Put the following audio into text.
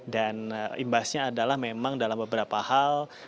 dan imbasnya adalah memang dalam beberapa hal